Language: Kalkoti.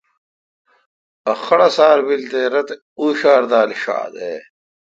ا خڑسار بیل تے رت اوݭار دال ݭات۔